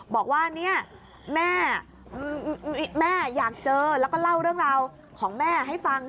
บอกว่าเนี่ยแม่อยากเจอแล้วก็เล่าเรื่องราวของแม่ให้ฟัง